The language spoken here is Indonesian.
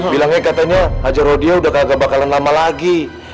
bilangnya katanya haja rodia udah kagak bakalan lama lagi